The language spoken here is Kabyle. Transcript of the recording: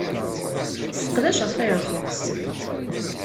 Sseqdaceɣ Firefox.